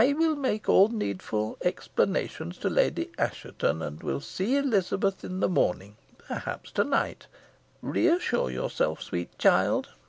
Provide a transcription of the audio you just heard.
I will make all needful explanations to Lady Assheton, and will see Elizabeth in the morning perhaps to night. Reassure yourself, sweet child.